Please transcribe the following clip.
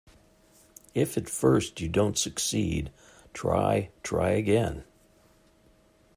If at first you don't succeed, try, try again.